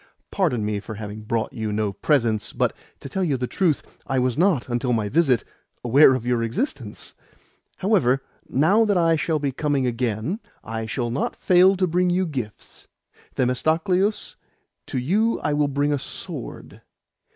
Pardon me for having brought you no presents, but, to tell you the truth, I was not, until my visit, aware of your existence. However, now that I shall be coming again, I will not fail to bring you gifts. Themistocleus, to you I will bring a sword.